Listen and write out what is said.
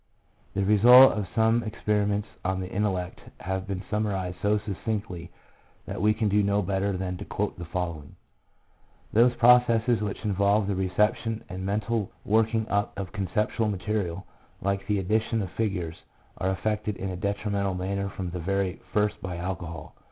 The results of some experiments on the intellect have been summarized so succinctly that we can do no better than to quote the following: —" Those processes which involve the reception and mental working up of conceptual material, like the addition of figures, are affected in a detrimental manner from the very first by alcohol.